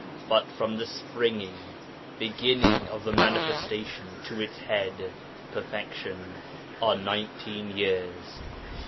But from the springing (beginning) of the manifestation to its head (perfection) are nineteen years.'